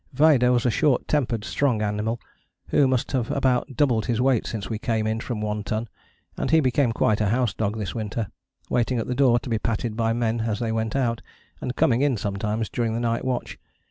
] Vaida was a short tempered strong animal, who must have about doubled his weight since we came in from One Ton, and he became quite a house dog this winter, waiting at the door to be patted by men as they went out, and coming in sometimes during the night watch.